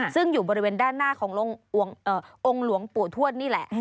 ซึ่งอยู่บริเวณด้านหน้าขององค์หลวงปู่ทวดนี่แหละ